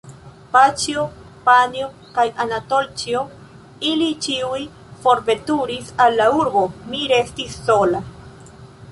Paĉjo, Panjo kaj Anatolĉjo, ili ĉiuj forveturis al la urbo, mi restis sola.